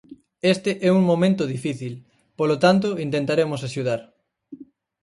Este é un momento difícil, polo tanto intentaremos axudar.